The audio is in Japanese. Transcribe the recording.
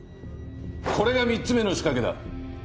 これが３つ目の仕掛けだ。